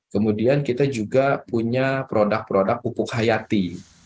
kemudian kita juga punya produk produk pupuk hayati